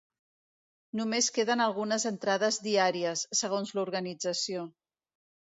Només queden algunes entrades diàries, segons l’organització.